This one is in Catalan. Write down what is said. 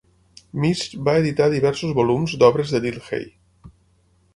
Misch va editar diversos volums d'obres de Dilthey.